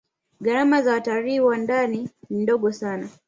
gharama za watalii wa ndani ni ndogo sana